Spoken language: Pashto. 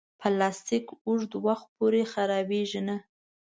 پلاستيک اوږد وخت پورې خرابېږي نه.